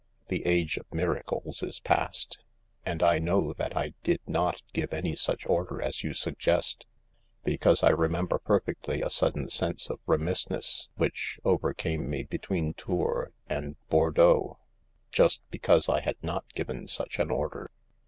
The age of miracles is past. And I know that I did not give any such order as you suggest, because I re member perfectly a sudden sense of remissness which over came me between Tours and Bordeaux, just because I had not given such an order.